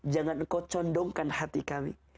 jangan engkau condongkan hati kami